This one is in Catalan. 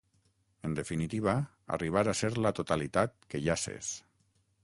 En definitiva, arribar a Ser la Totalitat que ja s'és.